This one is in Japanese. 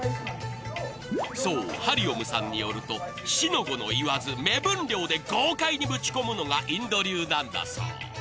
そう、ハリオムさんによると、四の五の言わず、目分量で豪快にぶち込むのがインド流なんだそう。